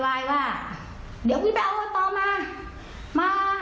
เว้ยว่าเดี๋ยวพี่ไปเอาว่าตอบมา